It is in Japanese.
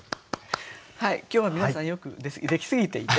今日は皆さんよくできすぎていて。